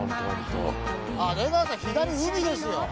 あっ出川さん左海ですよ！